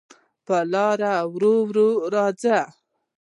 پر لاره ورو، ورو راځې